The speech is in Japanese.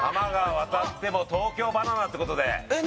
渡っても東京ばな奈ってことでえっ